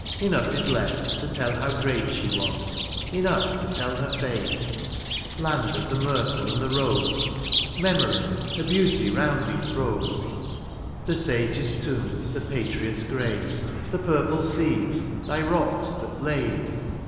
Enough is left to tell how great She was, — enough to tell her £ate ! Land of the myrtle and the rose. Memory a beauty round thee throws ; The sage's tomb, the patriot's grave. The purple seas, thy rocks that lave.